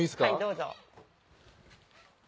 どうぞ。